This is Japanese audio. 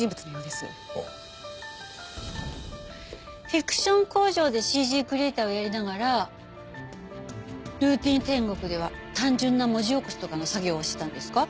フィクション工場でＣＧクリエーターをやりながらルーティン天国では単純な文字起こしとかの作業をしてたんですか？